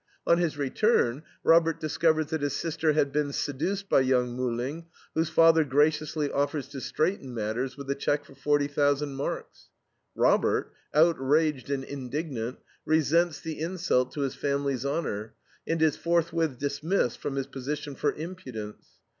On his return Robert discovers that his sister had been seduced by young Muhling, whose father graciously offers to straighten matters with a check for 40,000 marks. Robert, outraged and indignant, resents the insult to his family's honor, and is forthwith dismissed from his position for impudence.